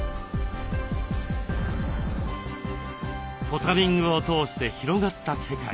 ポタリングを通して広がった世界。